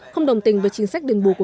không đồng tình với chính sách đền bù